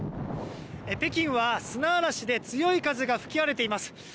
北京は砂嵐で強い風が吹き荒れています。